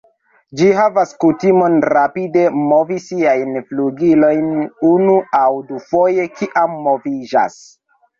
Ĝi havas kutimon rapide movi siajn flugilojn unu aŭ dufoje kiam moviĝas.